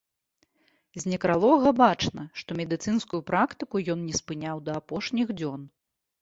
З некралога бачна, што медыцынскую практыку ён не спыняў да апошніх дзён.